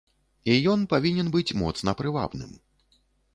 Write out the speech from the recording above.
І ён павінен быць моцна прывабным.